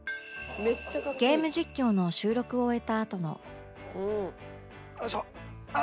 ゲーム実況の収録を終えたあとのよいしょ！